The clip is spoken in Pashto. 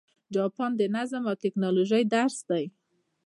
جاپان د نظم او ټکنالوژۍ درس دی.